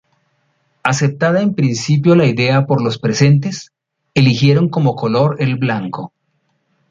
Aceptada en principio la idea por los presentes, eligieron como color el blanco.